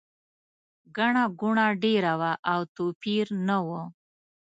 ګڼه ګوڼه ډېره وه او توپیر نه و.